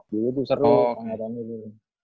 dulu tuh seru angkatannya dulu